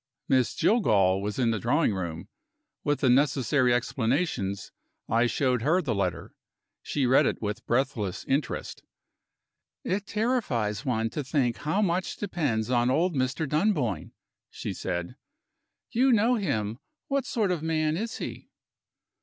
Miss Jillgall was in the drawing room. With the necessary explanations, I showed her the letter. She read it with breathless interest. "It terrifies one to think how much depends on old Mr. Dunboyne," she said. "You know him. What sort of man is he?"